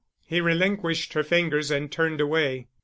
He relinquished her fingers and turned away.